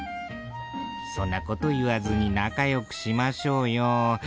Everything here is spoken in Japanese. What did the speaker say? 「そんなこと言わずに仲よくしましょうよ」。